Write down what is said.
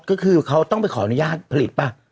ก็คือเขาต้องไปขออนุญาตผลิตป่ะ